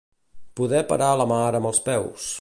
Poder parar la mar amb els peus.